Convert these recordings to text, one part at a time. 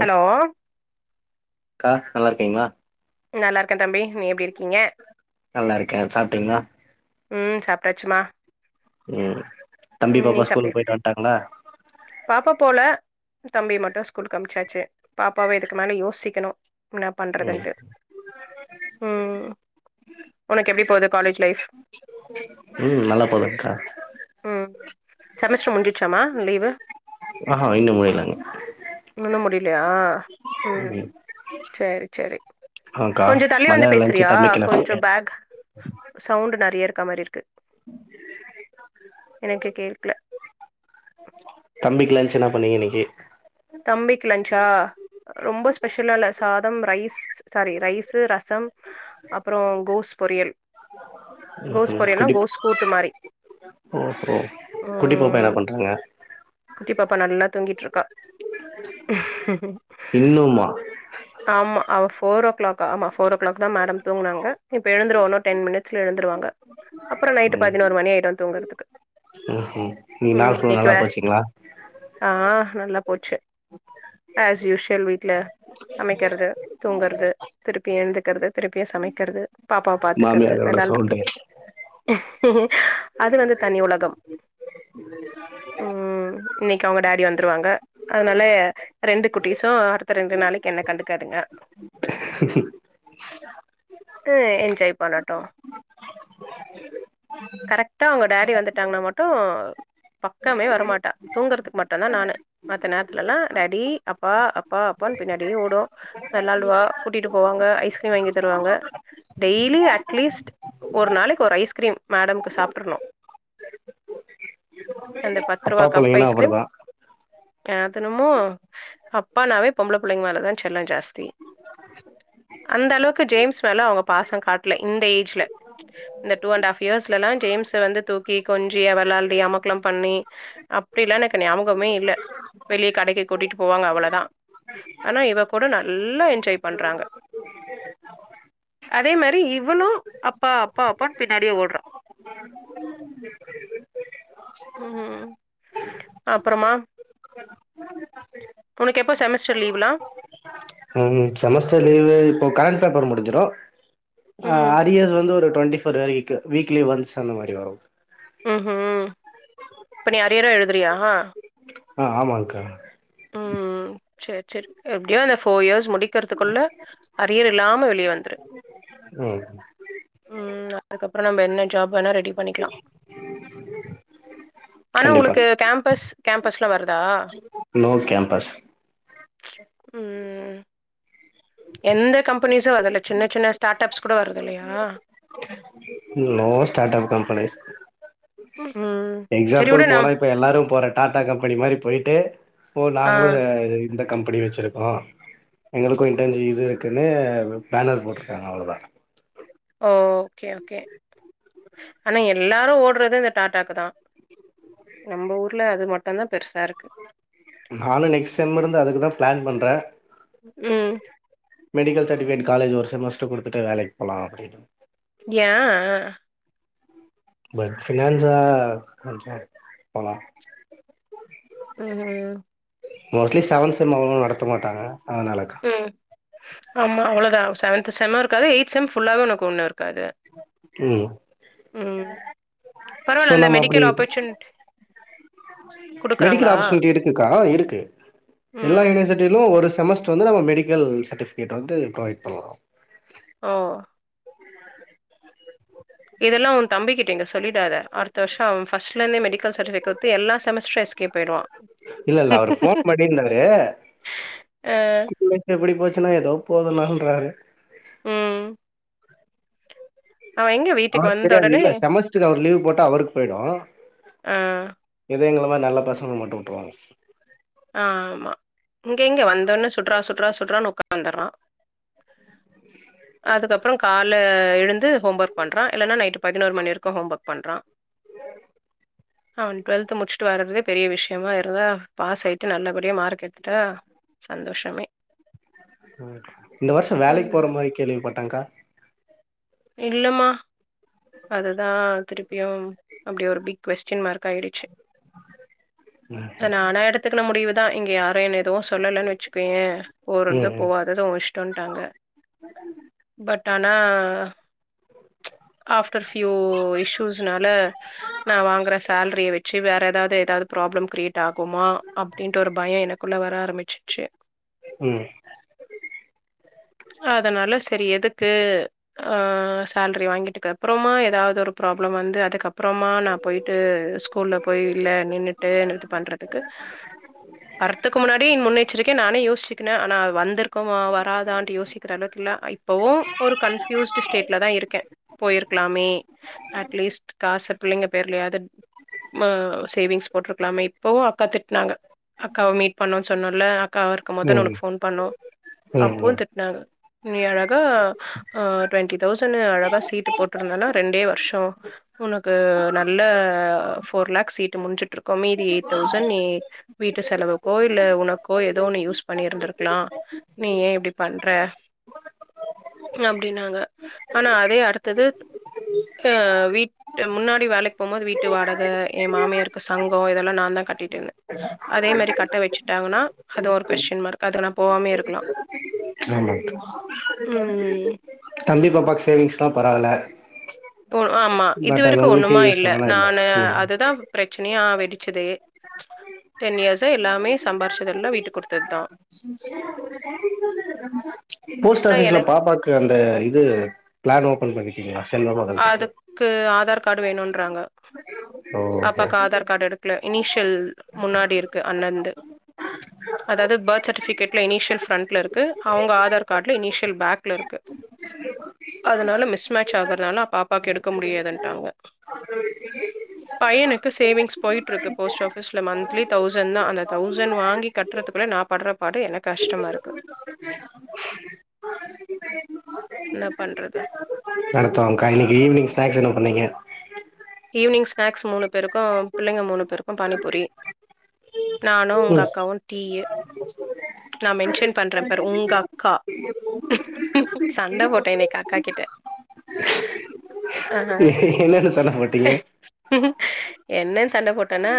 Hello க்கா நல்லாருக்கிங்ளா நல்லாருக்கே தம்பி நீங்க எப்டி இருக்கிங்க நல்லா இருக்கே சாப்ட்டீங்களா ம் சாப்டாச்சுமா ம் தம்பி பாப்பா சாப்ட்டியா ஸ்கூலுக்கு போயிட்டு வன்ட்டாங்களா பாப்பா போல தம்பி மட்டு ஸ்கூலுக் அனுப்ச்சாச்சு பாப்பாவ இதுக்கு மேலே யோசிக்கணு என்ன ம் பண்றதுன்ட்டு ம் உனக்கு எப்டி போகுது காலேஜ் லைஃப் ம் நல்லா போகுதுங்க்கா ம் செமஸ்டர் முஞ்சுடுச்சாமா லீவு ஆஹா இன்னு முடிலங்க லயா ம் செரி செரி ஆங்க்கா கொஞ்ச தள்ளி வந்து மதியான லன்ச்சு பேசறியா தம்பிக்கு என்ன கொஞ்ச பண்ணீங்க பேக் சவுண்ட் நெ றயா இருக்க மாரி இருக்கு எனக்கு கேக்ல தம்பிக்கு லஞ்ச் என்னா பண்ணீங்க இன்னைக்கி தம்பிக்கு லன்ச்சா ரொம்ப ஸ்பெஷல இல்ல சாதம் ரைஸ் சாரி ரைஸு ரசம் அப்புறோ கோஸ் பொறியல் கோஸ் ம்ஹும் பொறியல்னா குட்டி கோஸ் கூட்டு மாரி கூட்டி பாப்பா என்ன ம் பண்றாங்க குட்டி பாப்பா நல்லா தூங்கிட்ருக்கா ஹ இன்னும்மா ஆமா அவ ஃபோர் ஓ கிளாக் ஆமா ஃபோர் ஓ கிளாக் தா மேடம் தூங்குனாங்க இப்ப எழுந்துருவும் உன்னோ டென் மிட்ஸ்ல எழுந்துருவாங்க அப்புறோ நைட்டு பதினோரு மணி ஆயிடும் தூங்கறதுக்கு ம் ம் இன்னைக்கி நாள் ஃபுல்லா நல்லா வே போச்சீங்களா ஆ நல்லா போச்சு ஆஸ் யூஸ்வல் வீட்ல சமைக்கிறது தூங்குறது திருப்பியு எழுந்துக்குறது திருப்பியு சமைக்கிறது பாப்பாவ பாத்துக்கறது மாமியாரோட வெளால்றது சவுண்டே அது வந்து தனி உலகம் ம் இன்னைக்கி அவங்க டேடி வந்துருவாங்க அதனால ரெண்டு குட்டிஸு அடுத்த ரெண்டு நாளை என்ன கண்டுக்காதுங்க ட்டு என்ஜாய் பண்ணட்டும் கரக்டா அவங்க டேடி வந்துட்டாங்கனா மட்டு பக்கமே வரமாட்டா தூங்கறதுக்கு மட்டுதா நானு மத்த நேரத்துல ல்லா டேடி அப்பா அப்பா அப்பான் பின்னாடி ஓடும் வெள்ளாடுவா கூட்டிட்டு போவாங்க ஐஸ்கிரீம் வாங்கி தருவாங்க டெய்லி அட்லீஸ்ட் ஒரு நாளைக்கு ஒரு ஐஸ்கிரீம் மேடம்க்கு சாப்ட்ற்னும் அந்த பத்து அப்பா ரூவா கப் பிள்ளைங்கன்னா ஐஸ்கிரீம் அப்டிதா கேத்தனுமோ அப்பா நாவே பொம்பள பிள்ளைங்க மேல தான் செல்லம் ஜாஸ் த்தி அந்த அளவுக்கு ஜேம்ஸ் மேல அவங்க பாசம் காட்ல இந்த எ சுல இந்த டூ அண்ட் ஹாஃப் இயர்ஸ்ல எல்லா ஜேம்ஸ்ஸ வந்து தூக்கி கொஞ்சி, வெளாள்டி, அமக்கலம் பண்ணி அப்டிலா எனக்கு ஞாபகமே இல்ல வெளியே கடைக்கு கூட்டிட்டு போவாங்க அவ்வளதா ஆனா இவ கூட நல்லா என் ஜாய் பண்றாங்க அதே மாரி இவனு அப்பா அப்பா அப்பான் பின்னாடியே ஓட்றா உம் ம் அப்புறமா உனக்கு எப்போ செமஸ்டர் லீவுல்லா ம் ம் செமஸ்டர் லீவு இப்போ கரண்ட் பேப்பர் முடிஞ்சிரு ஆ ம் அரியர்ஸ் வந்து ஒரு ட்வெண்டி ஃபோர்த் வரைக்கு வீக்லி ஒன்ஸ் அந்த மாரி வரு ம் ம் இப்ப நீ அரியரு எழுதுறியா ஆ ஆமாங்க்கா செரி செரி எப்டியோ இந்த ஃபோர் இயர்ஸ் முடிக்கறதுக்குள்ள அரியர் இல்லாம வெளிய வந்துரு ம் ம் அ அதுக்கப்றொ நம்ம என்ன ஜாப் வேணா ரெடி பண்ணிக்லா. ஆனா கண்டிப்பா ஒங்களுக்கு கேம்பஸ் கேம்ப்பஸ்ல வருதா? நோ கேம்ப்பஸ் ம் எந்த கம்பெனிஸு அதுல்ல சின்ன சின்ன ஸ்டாட் அப்ஸ் கூட வரது இல்லயா? நோ ஸ்டாட் அப் கம்பெனீஸ் ம் சரி எக்ஸாம்பிள் விடு போனா நம் இப்ப எல்லாரு போற டாட்டா கம்பெனி மாரி போயிட்டு ஓ ஆ நாங்களு இந்த கம்பனி வெச்சிருக்கோ. எங்களுக்கு இன்டன்ஜி இது இருக்குன்னு பேனர் போட்ருக்காங்க அவ்ளோதா. ஓ கே ஒகே ஆனா எல்லாரு ஓட்றது இந்த டாட்டாக்கு தா. நம்ப ஊர்ல அது மட்டுதா பெருசா இருக்கு. நானு நெக்ஸ்ட் செம் இருந்து அதுக்குதா பிளான் பண்றே. ம் மெடிக்கல் சர்டிஃபிகேட் காலேஜ்ல ஒரு செமஸ்டர்க்கு குடுத்துட்டா வேலைக்கு போலா அப்டின்னு ஏ அ அ பட் ஃபினான்சா நெனச்சா போலா ம் ம் மோஸ்ட்லி செவன்த் செம் அவ்ளவா நடத்த மாட்டாங்க. அதனாலக்கா ம் ஆமா அவ்ளோதா. செவன்த் செம்மு இருக்காது. எயித் செம் ஃபுல்லாவே ஒனக்கு ஒண்ணு இருக் ம் ம் ஸோ பரவால்ல அந்த நாம அப்டி மெடிக்கல் ஆப்பர்ச்சுனிட் மெடிக்கல் குடுக்குறாங்களா? ஆப்பர்ச்சுனிட்டி இருக்குக்கா இருக்கு. எல்லா ம் யூனிவர்சிட்டிலு ஒருச் செமஸ்டர் வந்து நம்ம மெடிக்கல் சர்டிஃபிகேட் வந்து ப்ரொவைட் பண்லா. ஓ இதெல்லா ஒ தம்பிக்கிட்ட இங்க சொல்லிடாத. அடுத்த வருஷோ அவ ஃபஸ்ட்லந்தே மெடிக்கல் சர்டிஃபிகேட் குடுத்து எல்லா செமஸ்ட்ரு எஸ்கேப் ஆயிடுவா. இல்ல இல்ல அவரு ஃபோன் பண்ணிருந்தாரு. ஆ, ஸ்கூல் லைஃப் எப்டி போச்சுன்னா ஏதோ போது ணான்றாரு ம் அவன் எங்க வீட்டுக்கு அவனுக்கு வந்த தெரியாது உடனே இல்ல செமஸ்ட்ருக்கு அவர் லீவ் போட்டா அவருக்கு போயிடு ஆ, எதோ எங்கள மா நல்ல பசங்கள மட்டு விட்ருவாங்க ஆ ஆமா இங்க எங்க வந்த ஒட்னே சுட்றா சுட்றா சுட்றான் உக்காந்துறா அதுக்கப்புறோ கால்ல எழுந்து ஹோம் ஒர்க் பண்றா இல்லன்னா நைட்டு பதினோரு மணி வரைக்கு ஹோம் ஒர்க் பண்றா அவ டுவல்த் முடிச்சுட்டு வர்றதே பெரிய விஷயமா ஆயிருதா பாஸ் ஆயி ட்டு நல்லபடியா மார்க் எடுத்துட்டா சந்தோஷமே ம் இந்த வருஷோ வேலைக்கு ம். போற மாரி கேள்விப்பட்டேங்கா இல்லமா அது தா திருப்பியு அப்டி ஒரு பிக் கொஸ்டின் மார்க் ஆயிடுச்சு அது நானா எடுத்துக்குன்ன முடிவுதா இங்க யாரு என்ன எதுவு சொல்லலன்னு வச்சுக்கோயே போறது ம் போவாதது ஒ இஷ்டோன்ட்டாங்க பட் ஆனா அஃப் டர் ஃப்யூ இஷ்யூஸ்னால நா வாங்குற சேல்ரிய வெச்சு வேற ஏதாவது ஏதாவது ப்ராப்ளம் கிரியேட் ஆகுமா அப்டின்டு ஒரு பய எனக்குள்ள வர ஆரம்பிச்சிச்சு ம் அதனால செரி எதுக்கு ஆ சேல்ரி வாங்கிட்டுக்கு அப்புறமா ஏதாவது ஒரு ப்ராப்ளம் வந்து அதுக்கப் அப்புறமா நா போயிட்டு ஸ்கூல்ல போய் இல்ல நின்னுட்டு இது பண்றதுக்கு வர்துக்கு முன்னாடியே என் முன்னேச்சரிக்கயா நானே யோசிச்சுக்கேன ஆனா வந்திருக்குமா வராதானு யோசிக்கிற அளவுக்கு இல்ல இப்பவு ஒரு கன்பூஸ்ட் ஸ்டேட்ல தா இருக்கே போயிருக்கலாமே அட்லீஸ்ட் காசு பிள்ளிங்க பேர்லயாவது ம் சேவிங்ஸ் போட்ருக்கலாமே இப்பவு அக்கா திட்டுனாங்க அக்காவ மீட் பண்ணோ சொன்னோல்ல அக்கா இருக்கும் ம் போது ம் உனக்கு ஃபோன் பண்ணு ம் அப்பு ம் திட் றாங்க நீ அழகா அ டுவெண்டி தௌவ்சணு அழகா சீட்டு போட்டுருந்தனா ரெண்டே வர்ஷோ உனக்கு நல்ல ஃபோர் லேக் சீட்டு முடிஞ்சிட்டு இருக்கு மீதி எயிட் தௌசண்ட் நீ வீட்டு செலவுக்கோ இல்ல உனக்கோ ஏதோன்னு யூஸ் பண்ணிருந்திருக்கலா நீ ஏ இப்டி பண்ற அப்டின்னாங்க ஆனா அதே அடுத்தது அ வீட்டு முன்னாடி வேலைக்கு போகும்போது வீட்டு வாடக ஏ மாமியாருக்கு சங்கோம் இதெல்லா‌ நா தா கட்டிட்டு இருந்தே அதே மாரி கட்ட வெச்சுட்டாங்கன்னா அது ஒரு கொஸ்டின் மார்க் அது நா போவாமேயே இருக்கலா ஆமா ம் ம் தம்பி பாப்பாக்கு சேவிங்ஸ்னா பரவால்ல ஆமா பட் அது இதுவரைக்கு உங்களுக்கே ஒண்ணுமா இல்ல யூஸ்ஃபுல்லான நானு ம் அதுதா ச்சுனியா வெடிச்சதே இயர்ஸா எல்லாமே சம்பாரிச்சதெல்லாம் வீட்டுக்கு குடுத்தது தான். போஸ்ட் ஆனா ஆபிஸ்ல எனக்கு பாப்பாக்கு அந்த இது பிளான் ஓபன் பண்ணி [unintelligible] அதுக்கு ஆதார் கார்டு வேணும்ன்றாங்க ஓஹோ பாப்பாக்கு ஆதார் கார்டு எடுக்கல இனிஷியல் முன்னாடி இருக்கு அண்ணந்து அதாவ்து பர்த் சர்ட்டிபிகேட் கார்ட்ல இனிஷியல் ஃப்ரண்ட்ல இருக்கு அவங்க ஆதார் கார்ட்ல இனிஷியல் பேக்ல இருக்கு அதனால மிஸ் மேட்ச் [unintelligible] பாப்பாக்கு எடுக்க முடியாதுன்டாங்க பையனுக்கு சேவிங்ஸ் போயிட்டு இருக்கு போஸ்ட் ஆபீஸ்ல மந்திலி தவுசண்ட் தா அந்த தசவுண்ட் வாங்கி கட்டுறதுக்குள்ள நா படுற பாடு எனக்கு கஷ்டமா இருக்கு என்ன பண்றது நடத்துவாங்கா இன்னிக்கு ஈவ்னிங் ஸ்நாக்ஸ் என்ன பண்ணீங்க ஈவினிங் ஸ்நாக்ஸ் மூணு பேருக்கு பிள்ளிங்க மூணு பேருக்கு பானிபூரி நானு உங்க ம் அக்காவு டீயி நா மென்ஷன் பண்றே பார் உங்க அக்கா சண்ட போட்டே இன்னிக்கு அக்கா கிட்ட அ என்னன்னு சொன்னாங்க [unintelligible] என்னன்னு சண்ட போட்டேன்னா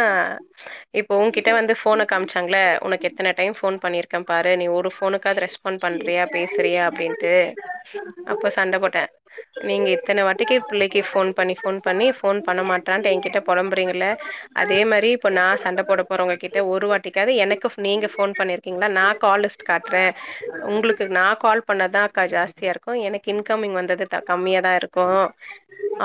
இப்ப உன்கிட்ட வந்து போனக் காமிச்சாங்கள உனக்கு எத்தன டைம் ஃபோன் பண்ணிருக்கேன் பாரு நீ ஒரு டைம் ஒன்னுக்காது ரெஸ்பான்ஸ் பண்றியா பேசுரியா அப்டின்டு அப்ப சண்ட போட்டே நீங்க இத்தன வாட்டிக்கி பிள்ளிக்கி ஃபோன் பண்ணி ஃபோன் பண்ணி ஃபோன் பண்ணமாட் பண்ற பொளம்புரிங்கள்ள அதே மாரி இப்ப நா சண்ட போட போற உங்க கிட்ட ஒரு வாட்டிக்காது எனக்கு நீங்க ஃபோன் பண்ணிருக்கிங்களா நா கால் லிஸ்ட் காட்ற உங்குளுக்கு நா கால் பண்ணாதாகா ஜஸ்தியா இருக்கு எனக்கு இன்கம்மிங் வந்தது கம்மியா தா இருக்கு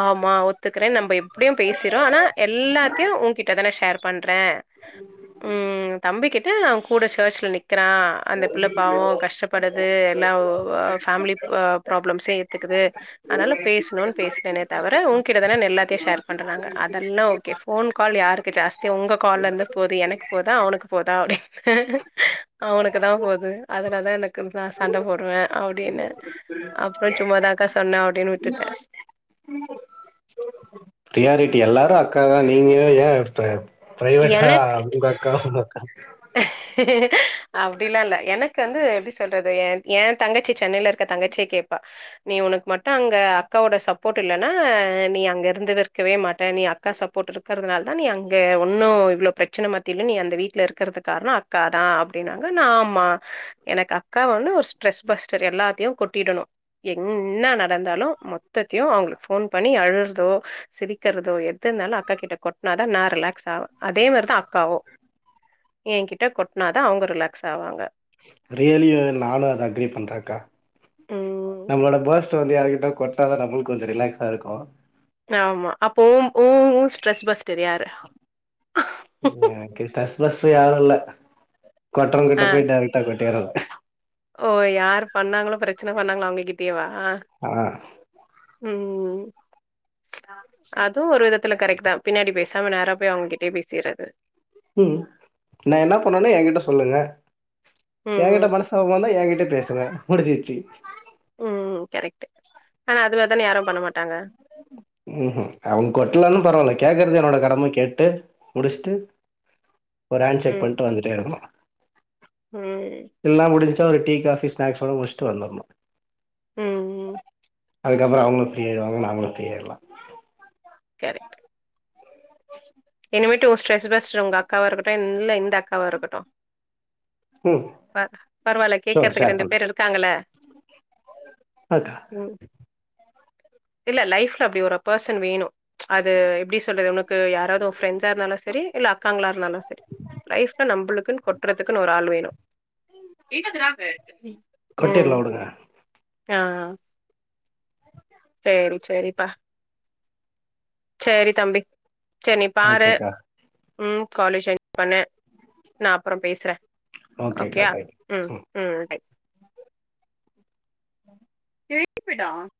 ஆமா த்துக்கறே நம்ப எப்டியு பேசிறோ ஆனா எல்லாத்தையு உங்கிட்டதான ஷேர் பண்ற ம் தம்பி கிட்ட அவன் கூட சர்ல கக்கிறான் அந்த பிள்ள பாவோ கஷ்டப்படுது எல்லா ஃபேமிலி ப்ராப்ளம்சையு ஏத்துக்குது அதனால பேசணும்னு பேசுறனே தவிர உங் ஒன்கிட்ட தான நா எல்லாத்தையு ஷேர் பண்றாங்க அதெல்லா ஓகே ஃபோன் கால் யாருக்கு ஜாஸ்தி உங்க கால்ல இருந்து போகுது எனக்கு போதா அவனுக்கு போதா அப்டின்னு அவனுக்கு தா போது அதுலதா எனக்கு நா சண்ட போடுவே அப்டின்னு அப்புறோ சும்மாதாக்கா சொன்னே அப்டின்னு விட்டுட்டே ரியாரிட்டி எல்லாரு அக்கா தா நீங்க ஏ அத பிரைவேட்டா எனக்கு உங்கக்காக்கா எங்கக்கா அப்டில்லா இல்ல எனக்கு வந்து எப்டி சொல்றது எந் ஏந் தங்கச்சி சென்னைல இருக்க தங்கச்யே கேப்பா நீ உனக்கு மட்டு அங்க அக்காவோட சப்போர்ட்டில்லேன்னா நீ அங்க இருந்துருக்கவே மாட்ட நீ அக்கா சப்போர்ட் இருக்கற்துனால தா நீ அங்க ஒ இன்னு இவ்ளோ ப்ரச்சன மத்தில நீ அந்த வீட்ல இருக்கற்துக் காரணொ அக்காதா அப்டின்னாங்க நா ஆமா எனக்கு அக்கா வந்து ஒரு ஸ்ட்ரெஸ் பஸ்டர் எல்லாத்தையு கொட்டிடணு என்னா நடந்தாலு மொத்தத்தியு அவுங்களுக் ஃபோன் பண்ணி அழுற்தோ சிரிக்கெறதோ எதுருந்தாலு அக்காக் கிட்ட கொட்டனாதா நா ரிலாக் ஸாவு அதே மார்தா அக்காவு ஏங்க்கிட்ட கொட்டனாதா அவ்ங்கொ ரிலாக்ஸ் ஆவாங்க ரியலியு நானு அத அக்ரி பண்றக்கா ம். நம்மளோட பஸ் ட வந்து யாருக்கிட்ட கொட்னாதா நம்மளுக் கொஞ்சொ ரிலாக்ஸா இருக்கு ஆமா அப்போ உம் ஊ ஊ ஸ்ட்ரெஸ் பஸ்டர் யாரு எனக்கு டஸ் பஸ்ட்ரு யாரு இல்ல ஆ. கொட்றவுங்கிட்ட போய் டேரக்டா கொட்டிர்றது ஓ யார் பண்ணாங்களோ ப்ரச்சன பண்ணாங்ளோ அவுங்ககிட்டேவா ஆ ம் ம் அதுவு ஒரு விதத்துல கரெக்ட் தா பின்னாடி பேசாம நேரா போய் அவுங்ககிட்டயே பேசிர்றது ம் நா என்ன பண்ணாலு ம். ஏங்கிட்ட சொல்லுங்க ஏங்கிட்ட ம். மனஸ்தாபொர்ந்தா ஏங்கிட் ட பேசுங்க முடிஞ்சிச்சி ம் கரெக்ட்டு ஆனா அது மேர் தான யாரும் பண்ணமாட்டாங்க ம்ஹும் அவ்ங் கொட்லன்னு பரவா இல்ல கேக்கற்து என்னோட கடம கேட்டு முடிஷ்ட்டு ஒரு ஆண்ட் ஷேக் ம். பண்ட்டு வந்துட்டே இருக்கணு ம் சா ஒரு டீ காஃபி ஸ்நாக்ஸோட முடிஷ்ட்டு வந்தொர்ணு ம் ம் அதுக்கப்பறொ அவுங்களு ஃப்ரீ ஆய்ர்வாங்க நாங்களு ஃப்ரீயாய்ர்லா கரெக்ட் இனிமேட்டு உ ஸ்ட்ரெஸ் பஸ்ட்ரு உங்க அக்காவா இருக்கட்டு இந் இல்ல இந்த அக்காவா இருக்கட்டு ம் ப பரவால்ல ஷோர் கேக்கற்த்துக்கு ஷேர் ரெண்டு பண்றே பேர் இருக்காங்கல்ல ஓகே ம் இல்ல லைஃப்ல அப்டி ஒரு பஸ்ஸன் வேணு அது எப்டி சொல்றது உனக்கு யாராவ்து ஒ ஃப்ரெண்ட்ஸா இருந்தாலு செரி இல்ல அக்காங்களா இருந்தாலு செரி லைஃப்ல நம்ப்ளுக்குன் கொட்றத்துக்குனு ஒரு ஆள் வேணு ம் கொட்டிர்லா வுடுங்க ஆ சேரி சேரிப்பா சேரி தம்பி சேர் நீ பாரு ஓகேக்கா ம் காலேஜ [inaudible] பண்ணு நா அப்பறம் பேசுற ஓகேக்கா ஓகேயா தேங்க்யூ ம் ம் பாய் [unintelligible]